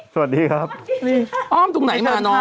สวัสดีครับอ้อมตรงไหนมาน้อง